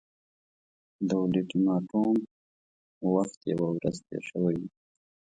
د اولټیماټوم وخت یوه ورځ تېر شوی وو.